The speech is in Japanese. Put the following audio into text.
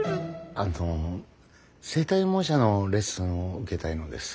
あの声帯模写のレッスンを受けたいのです。